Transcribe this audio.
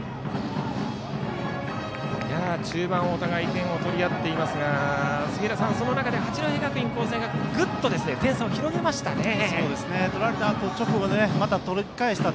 中盤、お互い点を取り合っていますが杉浦さんその中で八戸学院光星がぐっと点差を広げました。